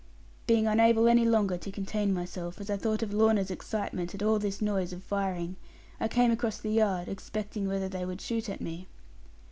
Being unable any longer to contain myself, as I thought of Lorna's excitement at all this noise of firing, I came across the yard, expecting whether they would shoot at me.